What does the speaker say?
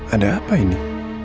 ada apa ini